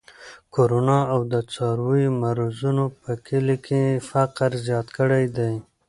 کرونا او د څارویو مرضونو په کلي کې فقر زیات کړی دی.